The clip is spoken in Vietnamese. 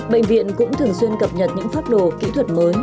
bệnh viện cũng thường xuyên cập nhật những pháp đồ kỹ thuật mới